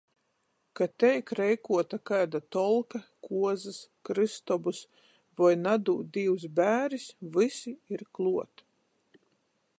Ka teik reikuota kaida tolka, kuozys, krystobys voi, nadūd Dīvs, bēris, vysi ir kluot!